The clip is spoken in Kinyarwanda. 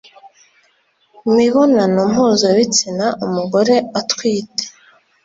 mibonano mpuzabitsina umugore atwite